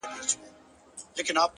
هوډ د شکونو شور خاموشوي،